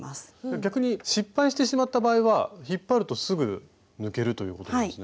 逆に失敗してしまった場合は引っ張るとすぐ抜けるということですね。